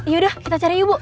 yaudah kita cari ibu